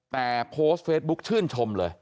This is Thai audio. แต่โพสต์เฟซบุ๊กชื่นชมเลย